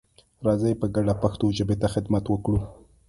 راځئ په ګډه پښتو ژبې ته خدمت وکړو.